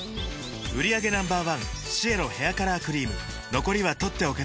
売上№１シエロヘアカラークリーム残りは取っておけて